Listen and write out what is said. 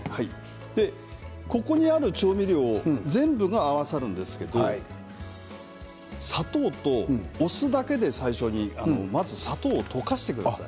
ここにある調味料を全部合わさるんですけど砂糖とお酢だけで最初にまず砂糖を溶かしてください。